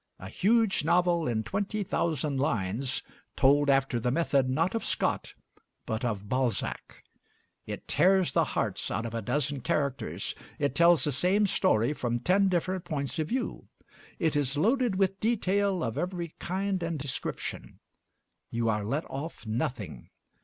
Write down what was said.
A huge novel in twenty thousand lines told after the method not of Scott but of Balzac; it tears the hearts out of a dozen characters; it tells the same story from ten different points of view. It is loaded with detail of every kind and description: you are let off nothing.